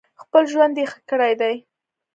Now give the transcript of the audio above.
خپل ژوند یې ښه کړی دی.